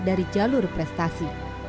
dari jalur prestasi